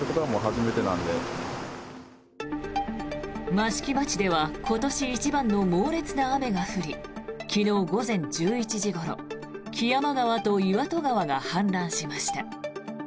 益城町では今年一番の猛烈な雨が降り昨日午前１１時ごろ木山川と岩戸川が氾濫しました。